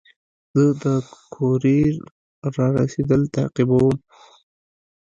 زه د کوریر رارسېدل تعقیبوم.